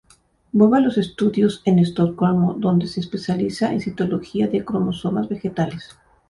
Vuelve a los estudios en Estocolmo, donde se especializa en citología de cromosomas vegetales.